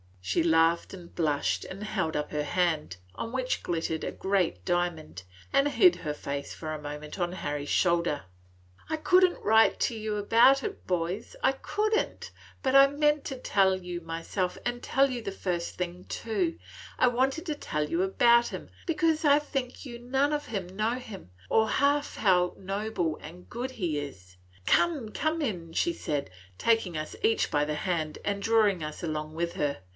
She laughed and blushed, and held up her hand, on which glittered a great diamond, and hid her face for a moment on Harry's shoulder. "I could n't write to you about it, boys, – I could n't! But I meant to tell you myself and tell you the first thing too. I wanted to tell you about him, because I think you none of you know him, or half how noble and good he is! Come, come in," she said, taking us each by the hand and drawing us along with her.